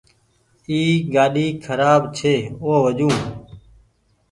اي گآڏي کراب ڇي او وجون۔